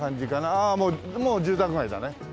ああもうもう住宅街だね。